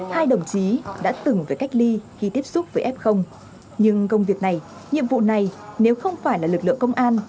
hai đồng chí đã từng phải cách ly khi tiếp xúc với f nhưng công việc này nhiệm vụ này nếu không phải là lực lượng công an